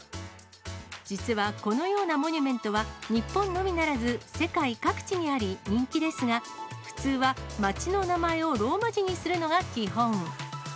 実はこのようなモニュメントは、日本のみならず、世界各地にあり、人気ですが、普通は街の名前をローマ字にするのが基本。